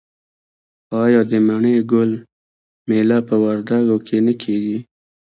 آیا د مڼې ګل میله په وردګو کې نه کیږي؟